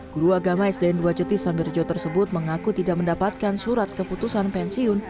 guru agama sdn dua jetis sambirjo tersebut mengaku tidak mendapatkan surat keputusan pensiun